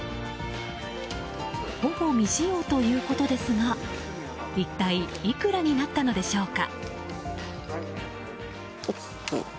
ほぼ未使用ということですが一体いくらになったのでしょうか。